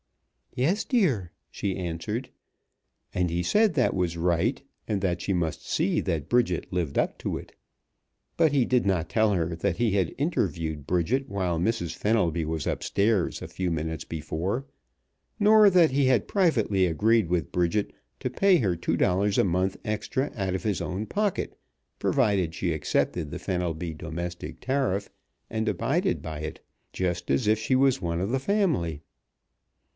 "Yes, dear," she answered, and he said that was right, and that she must see that Bridget lived up to it. But he did not tell her that he had interviewed Bridget while Mrs. Fenelby was upstairs a few minutes before, nor that he had privately agreed with Bridget to pay her two dollars a month extra out of his own pocket provided she accepted the Fenelby Domestic Tariff, and abided by it, just as if she was one of the family.